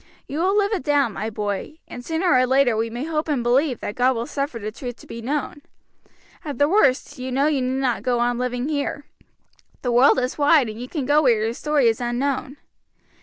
You will live it down, my boy, and sooner or later we may hope and believe that God will suffer the truth to be known. At the worst, you know you need not go on living here. The world is wide, and you can go where your story is unknown.